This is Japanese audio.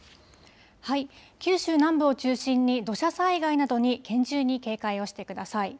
九州南部を中心に土砂災害などに厳重に警戒をしてください。